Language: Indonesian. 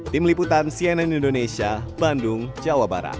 tim liputan cnn indonesia bandung jawa barat